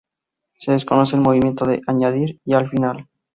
Se desconoce el motivo de añadir x al final.